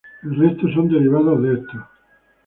El resto son derivados de estos.